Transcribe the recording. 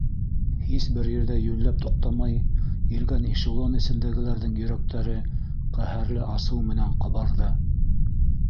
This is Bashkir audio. Һис бер ерҙә йүнләп туҡтамай елгән эшелон эсендәгеләрҙең йөрәктәре ҡәһәрле асыу менән ҡабарҙы.